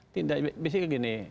tidak misalnya begini